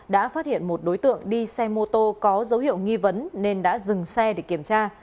đã phát hiện một đối tượng đi xe mô tô có dấu hiệu nghi vấn nên đã dừng xe để kiểm tra